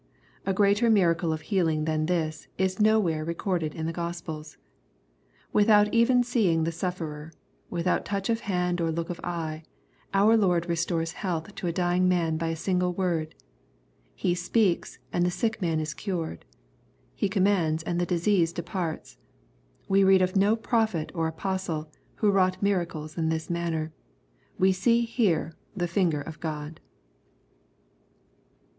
A greater miracle of healing than this, is nowhere recorded in the Gospels. Without oven seeing the sufferer, without touch of hand or look of eye, our Lord restores hf^alth to a dying man by a single word. He speaks, and the sick man is cured. He commands, and the disease departs. We read of no prophet or apostle, who wrought miracles in this manner. We see here the finger of God.